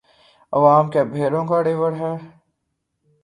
عوام کیا بھیڑوں کا ریوڑ ہے؟